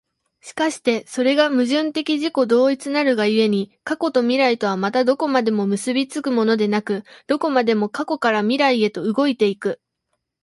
而してそれが矛盾的自己同一なるが故に、過去と未来とはまたどこまでも結び付くものでなく、どこまでも過去から未来へと動いて行く。